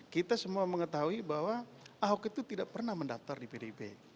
kita semua mengetahui bahwa ahok itu tidak pernah mendaftar di pdip